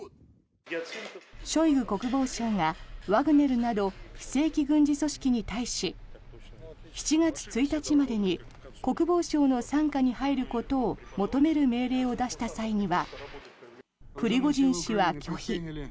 ショイグ国防相がワグネルなど非正規軍事組織に対し７月１日までに国防省の傘下に入ることを求める命令を出した際にはプリゴジン氏は拒否。